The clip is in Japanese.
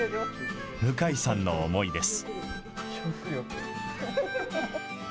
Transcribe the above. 向井さんの思いです。